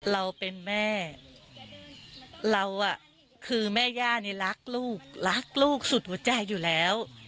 เราเป็นแม่เราอ่ะคือแม่ย่านี่รักลูกรักลูกสุดหัวใจอยู่แล้ว